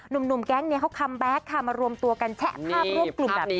หนุ่มแก๊งนี้เขาคัมแบ็คค่ะมารวมตัวกันแชะภาพร่วมกลุ่มแบบนี้